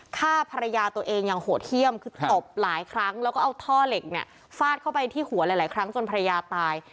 ฆ่าภรรยาตัวเองอย่างโหดเยี่ยมคือตบหลายครั้งแล้วก็เอาท่อเหล็กเนี่ยฟาดเข้าไปที่หัวหลายครั้งจนภรรยาตาย